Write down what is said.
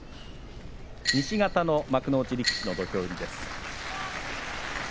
西方の幕内力士の土俵入りです。